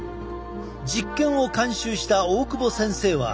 実験を監修した大久保先生は。